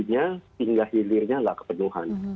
hulunya hingga hilirnya nggak kepenuhan